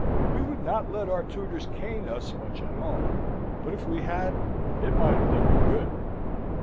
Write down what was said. We would not let our tutors cane us much at home, but, if we had, it might have done me good."